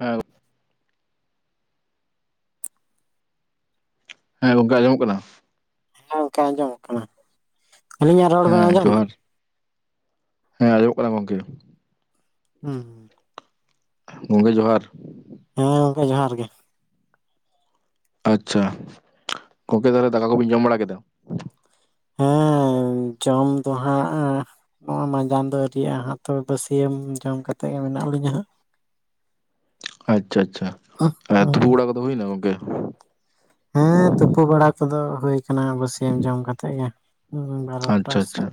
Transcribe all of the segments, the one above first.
ᱦᱮ ᱦᱮᱸ ᱜᱚᱱᱠᱮ ᱟᱸᱡᱚᱢ ᱠᱟᱱᱟ? ᱦᱮᱸ ᱜᱚᱱᱠᱮ ᱟᱸᱡᱚᱢ ᱠᱟᱱᱟ ᱾ ᱦᱮᱸ ᱡᱚᱦᱟᱨ ᱦᱮᱸ ᱟᱸᱡᱚᱢ ᱠᱟᱱᱟ ᱜᱚᱢᱠᱮ ᱦᱩᱸ ᱜᱚᱢᱠᱮ ᱡᱚᱦᱟᱨ ᱾ ᱦᱮᱸ ᱜᱚᱝᱠᱮ ᱡᱚᱦᱟᱨ ᱜᱮ ᱟᱪᱷᱟ ᱜᱚᱝᱠᱮ ᱛᱟᱦᱚᱞᱮ ᱫᱟᱠᱟ ᱠᱚ ᱵᱤᱱ ᱡᱚᱢ ᱵᱟᱲᱟ ᱠᱮᱫᱟ? [inaudible] ᱦᱮᱸ ᱡᱚᱢ ᱫᱚ ᱦᱟᱸᱜ ᱱᱚᱜᱚᱭ ᱢᱟ ᱡᱚᱢ ᱫᱚ ᱟᱹᱤᱭᱟᱜᱼᱟ ᱦᱟᱸᱜ ᱛᱚᱵᱮ ᱫᱚ ᱵᱟ. ᱥᱤᱭᱟᱹᱢ ᱡᱚᱢ ᱠᱟᱛᱮᱫ ᱜᱮ ᱢᱮᱱᱟᱜ ᱞᱤᱧᱟ ᱦᱟᱸᱜ ᱟᱪᱪᱷᱟ ᱟᱪᱪᱷᱟ ᱛᱩᱯᱩ ᱦᱟᱸᱜ ᱵᱟᱲᱟ ᱠᱚᱫᱚ ᱦᱩᱭᱱᱟ ᱜᱚᱢᱠᱮ? ᱦᱮᱸ ᱛᱩᱯᱩ ᱵᱟᱲᱟ ᱠᱚᱫᱚ ᱦᱩᱭ ᱟᱠᱟᱱᱟ ᱵᱟᱹᱥᱤᱭᱢ ᱡᱚᱢ ᱠᱟᱛᱮ ᱜᱮ ᱾ ᱟᱨ ᱟᱪᱪᱷᱟ ᱚᱴᱟᱥ ᱟᱪᱪᱷᱟ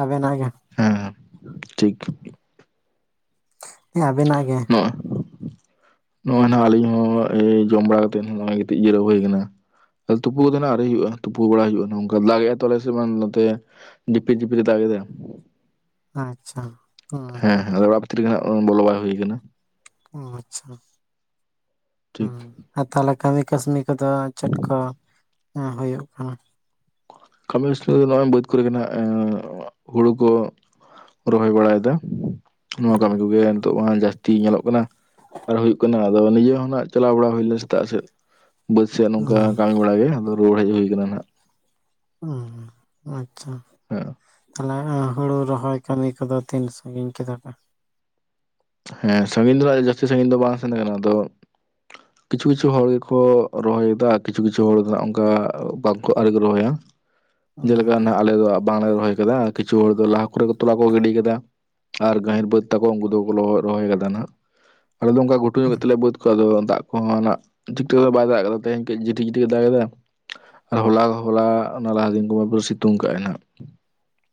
ᱟᱵᱮ ᱱᱟᱜ ᱜᱮ ᱦᱮᱸ ᱴᱷᱤᱠ ᱜᱮ ᱦᱮᱸ ᱟᱹᱵᱤᱱᱟᱜ ᱜᱮ ᱦᱚᱸᱜ ᱱᱚᱜᱼᱚᱭ ᱱᱟᱦ ᱟᱹᱞᱤᱧ ᱦᱚᱸ ᱡᱚᱢ ᱵᱟᱲᱟ ᱠᱟᱛᱮᱫᱜ ᱱᱚᱜᱼᱚᱭ ᱜᱤᱛᱤᱡ ᱡᱤᱨᱟᱹᱣ ᱦᱩᱭ ᱟᱠᱟᱱᱟ ᱾ ᱛ ᱛᱩᱯᱩ ᱠᱚᱫᱚ ᱱᱟᱜ ᱟ. ᱭᱨᱤ ᱦᱩᱭᱩᱜᱼᱟ ᱛᱩᱯᱩ ᱵᱟᱲᱟ ᱦᱩᱭᱩᱜᱼᱟ ᱱᱚᱝᱠᱟ ᱫᱟᱜ ᱜᱮᱭᱟ ᱛᱟᱞᱮ ᱥᱮ ᱱᱚᱛᱮ ᱡᱤᱯᱤᱨ ᱡᱤᱯᱤᱨ ᱮ ᱫᱟᱜ ᱮᱫᱟ ᱟᱪᱷᱟ ᱾ ᱦᱮᱸ ᱦᱮᱸ ᱟᱫᱚᱜ ᱚᱲᱟᱜ ᱵᱷᱤᱛᱤᱨ ᱨᱮᱜᱮ ᱦᱟᱸᱜ ᱵᱚᱞᱚ ᱵᱟᱭ ᱦᱩᱭ ᱠᱟᱱᱟ ᱳ ᱟᱪᱪᱷᱟ ᱴᱷᱤᱠ ᱦᱚᱸ ᱟᱨ ᱛᱟᱦᱚᱞᱮ ᱠᱟᱹᱢᱤ ᱠᱟᱹᱥᱱᱤ ᱠᱚᱫᱚ ᱪᱮᱫ ᱠᱚ ᱦᱩᱭᱩᱜ ᱠᱟᱱᱟ? ᱠᱚᱹᱢᱤ ᱠᱟᱹᱥᱱᱤ ᱫᱚ ᱱᱚᱜᱼᱚᱭ ᱵᱟᱹᱫᱽ ᱠᱚᱨᱮ ᱜᱮ ᱱᱟᱜ [unintelligible] ᱦᱩᱲᱩ ᱠᱚ ᱨᱚᱦᱚᱭ ᱵᱟᱲᱟᱭᱮᱫᱟ [inaudible] ᱱᱚᱣᱟ ᱠᱟᱹᱢᱤ ᱠᱚᱜᱮ ᱱᱤᱛᱚᱜ ᱢᱟ ᱡᱟᱹᱥ ᱛᱤ ᱧᱮᱞᱚᱜ ᱠᱟᱱᱟ [inaudible] ᱟᱨ ᱦᱩᱭᱩᱜ ᱠᱟᱱᱟ ᱟᱫᱚ ᱱᱤᱡᱮ ᱦᱚᱸ ᱱᱟᱜ ᱪᱟᱞᱟᱣ ᱵᱟᱲᱟ ᱦᱩᱭ ᱞᱮᱱᱟ ᱥᱮᱛᱟᱜ ᱥᱮᱫ ᱾ ᱵᱟᱹᱫ ᱥᱮᱭᱟᱜ ᱱᱚᱝᱠᱟ ᱦᱩᱸ ᱠᱟᱹᱢᱤ ᱵᱟᱲᱟ ᱜᱮ ᱟᱫᱚ ᱨᱩᱣᱟᱹᱲ ᱦᱮᱡ ᱦᱩᱭ ᱟᱠᱟᱱᱟ ᱱᱟᱦᱟᱜ [unintelligible] ᱟᱪᱪᱷᱟ [unintelligible] ᱛᱟᱦᱚᱞᱮ ᱦᱩᱲᱩ ᱨᱚᱦᱚᱭ ᱠᱟᱹᱢᱤ ᱠᱚᱫᱚ ᱛᱤᱱ ᱥᱟᱺᱜᱤᱧ ᱠᱮᱫᱟ ᱯᱮ ᱦᱮᱸ ᱥᱟᱺᱜᱤᱧ ᱫᱚ ᱦᱟᱜ ᱡᱟᱹᱥᱛᱤ ᱥᱟᱺᱜᱤᱧ ᱫᱚ ᱵᱟᱝ ᱥᱮᱱ ᱠᱟᱱᱟ ᱟᱫᱚ [inaudible] ᱠᱤᱪᱷᱩ ᱠᱤᱪᱷᱩ ᱦᱚᱲ ᱜᱮᱠᱚ ᱨᱚᱦᱚᱭᱮᱫᱟ ᱠᱤᱪᱷᱩ ᱠᱤᱪᱷᱩ ᱦᱚᱲ ᱫᱚ ᱦᱟᱜ ᱚᱱᱠᱟ ᱵᱟᱝᱠᱚ ᱟᱹᱣᱨᱤᱠᱚ ᱨᱚᱦᱚᱭᱟ [inaudible] ᱡᱮᱞᱮᱠᱟ ᱦᱩᱸ ᱱᱟᱦᱟᱜ ᱟᱞᱮ ᱫᱚ ᱵᱟᱝᱞᱮ ᱨᱚᱦᱚᱭ ᱟᱠᱟᱫᱟ ᱠᱤᱪᱷᱩ ᱦᱚᱲ ᱫᱚ ᱞᱟᱦᱟ ᱠᱚᱨᱮ ᱛᱚᱞᱟ ᱠᱚ ᱜᱤᱰᱤ ᱠᱟᱫᱟ ᱟᱨ ᱜᱟᱹᱦᱤᱨ ᱵᱟᱹᱫᱽ ᱛᱟᱠᱚ ᱩᱱᱠᱩ ᱫᱚ ᱵᱚᱞᱚ ᱨᱚᱦᱚᱭ ᱟᱠᱟᱫᱟ ᱱᱟᱦᱟᱜ [inaudible] ᱟᱞᱮ ᱫᱚ ᱚᱱᱠᱟ ᱜᱷᱩᱴᱩ ᱧᱚᱜ ᱜᱮᱛᱟᱞᱮᱭᱟ ᱵᱟᱹᱫᱽ ᱠᱚ ᱟᱫᱚ ᱫᱟᱜ ᱠᱚᱦᱚᱸ ᱱᱟᱜ ᱴᱷᱤᱠ ᱴᱷᱟᱠ ᱫᱚ ᱵᱟᱭ ᱫᱟᱜ ᱠᱟᱫᱟ ᱛᱮᱦᱮᱧ ᱡᱤᱴᱷᱤ ᱡᱤᱴᱷᱤ ᱮ ᱫᱟᱜ ᱮᱫᱟ [inaudible] ᱟᱨ ᱦᱚᱞᱟ ᱦᱚᱞᱟ ᱚᱱᱟ ᱞᱟᱦᱟ ᱫᱤᱱ ᱠᱚ ᱥᱤᱛᱩᱝ ᱠᱟᱜᱼᱟᱭ ᱦᱟᱸᱜ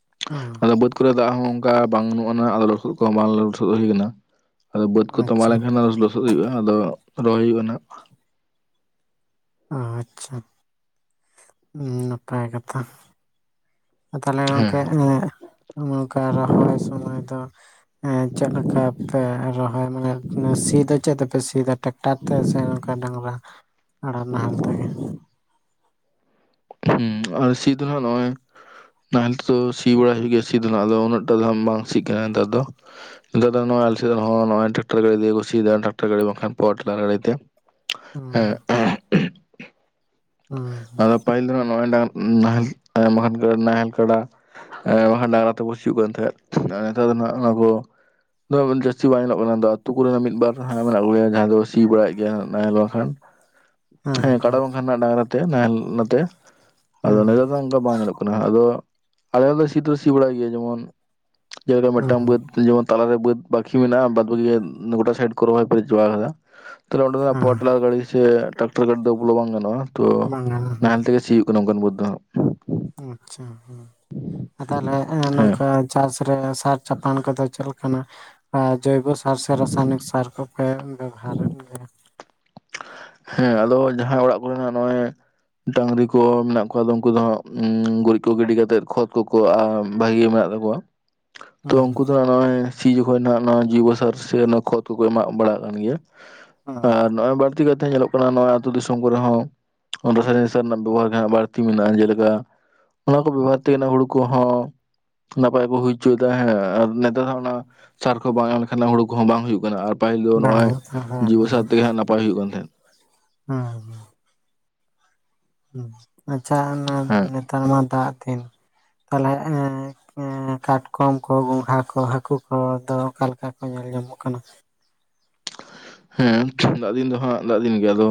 [unintelligible] ᱦᱩᱸ ᱟᱫᱚ ᱵᱟᱹᱫᱽ ᱠᱚᱨᱮ ᱫᱟᱜ ᱦᱚᱸ ᱚᱱᱠᱟ ᱵᱟᱝ ᱵᱟᱝᱱᱩᱜ ᱟᱱᱟ ᱟᱫᱚ ᱦᱩᱲᱩ ᱠᱚᱦᱚᱸ ᱵᱟᱝ ᱞᱚᱥᱚᱫ ᱦᱩᱭ ᱟᱠᱟᱱᱟ ᱾ ᱟᱫᱚ ᱵᱟᱹᱫᱽ ᱠᱚ ᱛᱚᱢᱵᱟ ᱟᱪᱪᱷᱟ ᱞᱮᱱᱠᱷᱟᱱ ᱞᱚᱥᱚᱫ ᱦᱩᱭᱩᱜᱼᱟ ᱟᱫᱚ ᱨᱚᱦᱚᱭ ᱦᱩᱭᱩᱜᱼᱟ ᱱᱟᱦᱟᱜ ᱟᱪᱪᱷᱟ [inaudible] ᱱᱟᱯᱟᱭ ᱠᱟᱛᱷᱟ ᱛᱟᱦᱚᱞᱮ ᱦᱮᱸ ᱜᱚᱝᱠᱮ [unintelligible] ᱱᱚᱝᱠᱟ ᱨᱚᱦᱚᱭ ᱥᱚᱢᱚᱭ ᱫᱚ [unintelligible] ᱪᱮᱫ ᱞᱮᱠᱟ ᱯᱮ ᱨᱚᱦᱚᱭ ᱢᱟᱱᱮ ᱥᱤ ᱫᱚ ᱪᱮᱫ ᱛᱮᱯᱮ ᱥᱤ ᱫᱟ ᱴᱮᱠ ᱴᱟᱨ ᱛᱮ ᱥᱮ ᱱᱚᱝᱠᱟ ᱰᱟᱝᱨᱟ ᱟᱨᱟᱲ ᱱᱟᱦᱮᱞ ᱛᱮᱜᱮ [unintelligible] ᱥᱤ ᱫᱚ ᱱᱟᱦᱟᱜ ᱱᱚᱜᱼᱚᱭ ᱱᱟᱦᱮᱞ ᱛᱮᱫ ᱫᱚ ᱥᱤ ᱵᱟᱲᱟ ᱦᱩᱭ ᱜᱮ ᱥᱤ ᱫᱚ ᱱᱟᱦᱟᱜ ᱦᱟᱜ ᱟᱫᱚ ᱩᱱᱟᱹᱜ ᱴᱟ ᱫᱚ ᱦᱟᱜ ᱵᱟᱝ ᱥᱤᱜ ᱠᱟᱱ ᱛᱮ ᱟᱫᱚ ᱱᱮᱛᱟᱨ ᱫᱚ ᱱᱚᱣᱟ ᱟᱞᱮ ᱥᱮᱱ ᱫᱚ ᱦᱚᱸ ᱴᱨᱟᱠᱴᱟᱨ ᱜᱟᱹᱲᱤ ᱛᱮᱠᱚ ᱥᱤ ᱮᱫᱟ, ᱴᱨᱟᱠᱴᱟᱨ ᱜᱟᱹᱲᱤ ᱵᱟᱝᱠᱷᱟᱱ ᱯᱟᱣᱟᱨ ᱴᱤᱞᱟᱨ ᱜᱟᱹᱲᱤ ᱛᱮ᱾ ᱦᱮᱸ ᱦᱢ ᱟᱫᱚ ᱯᱟᱹᱦᱤᱞ ᱫᱚ ᱦᱟᱸᱜ ᱱᱚᱜᱼᱚᱭ ᱱᱟᱜ ᱱᱟᱦᱮᱞ [unintelligible] ᱱᱟᱦᱮᱞ ᱠᱟᱰᱟ ᱮᱸ ᱵᱟᱝᱠᱷᱟᱱ ᱰᱟᱝᱨᱟ ᱛᱮᱵᱚ ᱥᱤᱭᱩᱜ ᱠᱟᱱ ᱛᱟᱦᱮᱸᱫ [unintelligible] ᱱᱮᱛᱚᱜ ᱫᱚ ᱦᱟᱸᱜ ᱚᱱᱟᱠᱚ ᱫᱚ ᱡᱟᱹᱥᱛᱤ ᱵᱟᱭ ᱧᱮᱞᱚᱜ ᱠᱟᱱᱟ ᱟᱫᱚ ᱟᱹᱛᱩ ᱠᱚᱨᱮ ᱢᱤᱫ ᱵᱟᱨ ᱦᱟᱜ ᱢᱮᱱᱟᱜ ᱠᱚᱜᱮᱭᱟ ᱡᱟᱦᱟᱭ ᱫᱚ ᱥᱤ ᱵᱟᱲᱟᱭᱮᱫ ᱜᱮᱭᱟ ᱱᱟᱦᱮᱞ ᱵᱟᱝᱠᱷᱟᱱ [inaudible] ᱦᱩᱸ ᱦᱮᱸ ᱠᱟᱰᱟ ᱵᱟᱝᱠᱷᱟᱱ ᱱᱟᱦᱟᱜ ᱰᱟᱝᱨᱟ ᱛᱮ ᱱᱟᱦᱮᱞ ᱱᱟᱛᱮ [inaudible] ᱟᱫᱚ ᱦᱩᱸ ᱦᱩᱸ [unintelligible] ᱚᱱᱠᱟ ᱵᱟᱝ ᱧᱮᱞᱚᱜ ᱠᱟᱱᱟ ᱟᱫᱚ [inaudible] ᱟᱞᱮ ᱫᱚ ᱥᱤ ᱫᱚ ᱥᱤ ᱵᱟᱲᱟ ᱜᱮ ᱡᱮᱢᱚᱱ ᱡᱟ ᱜᱮ ᱦᱩᱸ ᱢᱤᱫᱴᱟᱝ ᱵᱟᱹᱫᱽ ᱡᱮᱢᱚᱱ ᱛᱟᱞᱟᱨᱮ ᱵᱟᱹᱫᱽ ᱵᱟᱠᱷᱤ ᱢᱮᱱᱟᱜᱼᱟ ᱵᱟᱫ ᱵᱟᱠᱤ ᱜᱚᱴᱟ ᱥᱟᱤᱰ ᱠᱚ ᱨᱚᱦᱚᱭ ᱪᱟᱵᱟ ᱟᱠᱟᱫᱟ ᱛᱟᱦᱞᱮ ᱚᱸᱰᱮᱱᱟᱜ ᱦᱩᱸ ᱯᱳᱴᱞᱟ ᱜᱟᱹᱰᱤ ᱥᱮ ᱴᱟᱠᱴᱟᱨ ᱜᱟᱹᱰᱤ ᱫᱚ ᱵᱚᱞᱚ ᱵᱟᱝ ᱜᱟᱱᱚᱜᱼᱟ ᱛᱚ ᱵᱟᱝᱟ [inaudible] ᱱᱟᱦᱮᱞ ᱛᱮᱜᱮ ᱦᱩᱸ ᱥᱤᱭᱩᱜ ᱱᱚᱝᱠᱟᱱ ᱵᱟᱹᱫᱽ ᱫᱚ ᱦᱟᱸᱜ ᱟᱪᱪᱷᱟ ᱦᱩᱸ [inaudible] ᱛᱟᱦᱚᱞᱮ ᱦᱟᱸᱜ ᱱᱚᱝᱠᱟ ᱪᱟᱥ ᱨᱮ ᱥᱟᱨ ᱪᱟᱯᱟᱱ ᱠᱚᱫᱚ ᱪᱮᱫ ᱞᱮᱠᱟᱱᱟ ᱟᱨ ᱡᱚᱭᱵᱚ ᱥᱟᱨ ᱥᱮ ᱨᱟᱥᱟᱭᱚᱱᱤᱠ ᱥᱟᱨ ᱠᱚᱯᱮ ᱵᱮᱵᱷᱦᱟᱨᱮᱫ ᱜᱮᱭᱟ ᱦᱮᱸ ᱟᱫᱚ ᱡᱟᱦᱟ ᱚᱲᱟᱜ ᱠᱚᱨᱮᱱᱟᱜ ᱱᱚᱜᱼᱚᱭ ᱰᱟᱹᱝᱨᱤ ᱠᱚ ᱢᱮᱱᱟᱜ ᱠᱚᱣᱟ ᱟᱫᱚ ᱩᱱᱠᱩ ᱫᱚ ᱦᱟᱸᱜ [unintelligible] ᱜᱩᱨᱤᱡ ᱠᱚ ᱜᱤᱰᱤ ᱠᱟᱛᱮᱜ ᱠᱷᱚᱛ ᱠᱚ ᱠᱚ [unintelligible] ᱵᱷᱟᱜᱤ ᱢᱮᱱᱟᱜ [unintelligible] ᱛᱚ ᱦᱩᱸ ᱩᱱᱠᱩ ᱫᱚ ᱱᱚᱜᱼᱚᱭ ᱥᱤ ᱡᱚᱠᱷᱚᱡ ᱱᱟᱦᱟᱜ ᱱᱚᱣᱟ ᱡᱚᱭᱵᱚ ᱥᱟᱨ ᱥᱮ ᱠᱷᱚᱛ ᱠᱚ ᱠᱚ ᱮᱢᱟᱜ ᱵᱟᱲᱟᱜ ᱠᱟᱱ ᱜᱮᱭᱟ [unintelligible] ᱟᱨ ᱱᱚᱜᱚᱭ ᱵᱟᱲ ᱛᱤ ᱠᱟᱛᱮ ᱧᱮᱞᱚᱜ ᱠᱟᱱᱟ ᱱᱚᱜᱼᱚᱭ ᱟᱹᱛᱩ ᱫᱤᱥᱚᱢ ᱠᱚᱨᱮ ᱦᱚᱸ ᱚᱱ ᱨᱟᱥᱟᱭᱚᱱᱤᱠ ᱥᱟᱨ ᱨᱮᱱᱟᱜ ᱵᱮᱵᱚᱦᱟᱨ ᱜᱮ ᱦᱟᱸᱜ ᱵᱟᱹᱲᱛᱤ ᱢᱮᱱᱟᱜᱼᱟ ᱡᱮᱞᱮᱠᱟ ᱚᱱᱟ ᱠᱚ ᱵᱮᱵᱷᱦᱟᱨ ᱛᱮᱜᱮ ᱱᱟᱜ ᱦᱩᱲᱩ ᱠᱚᱦᱚᱸ ᱱᱟᱯᱟᱭ ᱵᱚ ᱦᱩᱭ ᱦᱚᱪᱚᱭᱮᱫᱟ ᱦᱮᱸ ᱟᱨ ᱱᱮ ᱱᱮᱛᱟᱨ ᱚᱱᱟ ᱥᱟᱨ ᱠᱚ ᱵᱟᱝ ᱮᱢ ᱞᱮᱠᱷᱟᱱ ᱦᱩᱲᱩ ᱠᱚᱦᱚᱸ ᱵᱟᱝ ᱦᱩᱭᱩᱜ ᱠᱟᱱᱟ ᱟᱨ ᱯᱟᱦᱤᱞ ᱫᱚ ᱵᱟᱝ ᱱᱚᱜᱼᱚᱭ ᱦᱮᱸ ᱡᱚᱭᱵᱚ ᱦᱮᱸ ᱥᱟᱨ ᱛᱮᱜᱮ ᱯᱟᱭ ᱦᱩᱭᱩᱜ ᱠᱟᱱ ᱛᱟᱦᱮᱸᱫ [unintelligible] [unintelligible] ᱟᱪᱪᱷᱟ ᱚᱱᱮ ᱛᱟᱦᱮᱸᱫ ᱱᱮᱛᱟᱨ ᱢᱟ ᱫᱟᱜ ᱫᱤᱱ ᱛᱟᱦᱞᱮ [unintelligible] [unintelligible] ᱠᱟᱴᱠᱚᱢ ᱠᱚ ᱜᱚᱸᱜᱷᱟ ᱠᱚ ᱦᱟᱹᱠᱩ ᱠᱚ ᱫᱚ ᱚᱠᱟ ᱞᱮᱠᱟ ᱠᱚ ᱧᱮᱞ ᱧᱟᱢᱚᱜ ᱠᱟᱱᱟ [unintelligible] ᱦᱮᱸ ᱫᱟᱜ ᱫᱤᱱ ᱫᱚ ᱦᱟᱸᱜ ᱫᱟᱜ ᱫᱤᱱ ᱜᱮ ᱟᱫᱚ